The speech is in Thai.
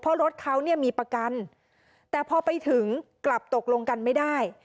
เพราะรถเขาเนี่ยมีประกันแต่พอไปถึงกลับตกลงกันไม่ได้